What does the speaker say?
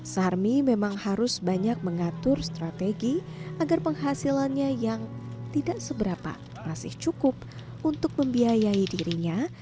sarmi memang harus banyak mengatur strategi agar penghasilannya yang tidak seberapa masih cukup untuk membiayai dirinya